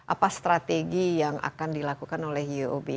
apa strategi yang akan dilakukan oleh uob